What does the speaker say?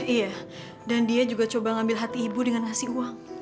iya dan dia juga coba ngambil hati ibu dengan ngasih uang